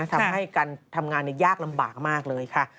ทำให้การทำงานยากลำบากมากเลยค่ะ